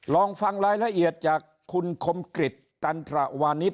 ลองฟังรายละเอียดจากคุณคมกริจตันทระวานิส